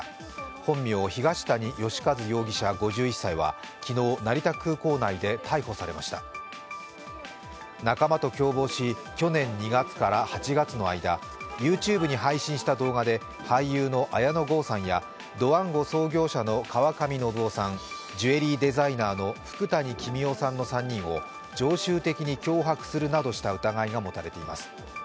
本名・東谷義和容疑者、５１歳は昨日、成田空港内で逮捕されました仲間と共謀し、去年２月から８月の間ＹｏｕＴｕｂｅに配信した動画で俳優の綾野剛さんやドワンゴ創業者の川上量生さんジュエリーデザイナーの福谷公男さんの３人を常習的に脅迫するなどした疑いが持たれています。